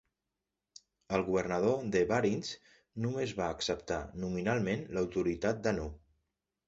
El governador de Khwarizm només va acceptar nominalment l'autoritat de Nuh.